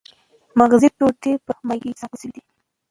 مغزي ټوټې په مایع کې ساتل شوې دي.